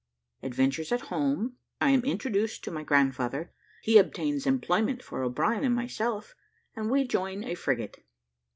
ADVENTURES AT HOME I AM INTRODUCED TO MY GRANDFATHER HE OBTAINS EMPLOYMENT FOR O'BRIEN AND MYSELF, AND WE JOIN A FRIGATE.